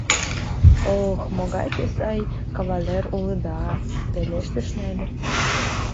— Ох, могай те сай кавалер улыда! — пелештыш Нелли.